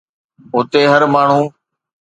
هتي هر ماڻهو